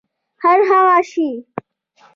هرهغه شی